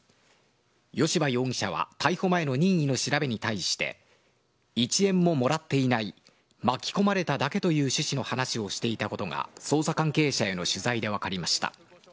吉羽容疑者は逮捕前の任意の調べに対して、１円ももらっていない、巻き込まれただけという趣旨の話をしていたことが、捜査関係者への取材で分かりました。